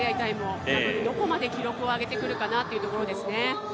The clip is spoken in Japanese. なのでどこまで記録を上げてくるかなというところですね。